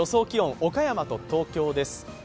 気温、岡山と東京です。